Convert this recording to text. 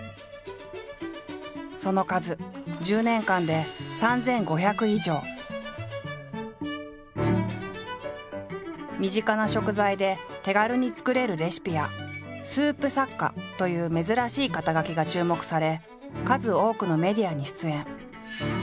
その数身近な食材で手軽に作れるレシピや「スープ作家」という珍しい肩書が注目され数多くのメディアに出演。